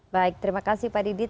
baik terima kasih pak didit